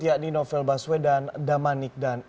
yakni novel baswedan damanik dan